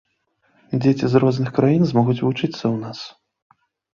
Дзеці з розных краін змогуць вучыцца ў нас.